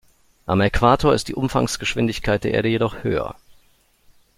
Am Äquator ist die Umfangsgeschwindigkeit der Erde jedoch höher.